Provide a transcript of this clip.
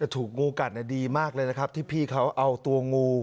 ถูกงูกัดดีมากเลยนะครับที่พี่เขาเอาตัวงู